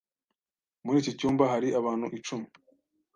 Muri iki cyumba hari abantu icumi.